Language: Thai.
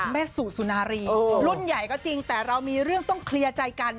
สุสุนารีรุ่นใหญ่ก็จริงแต่เรามีเรื่องต้องเคลียร์ใจกัน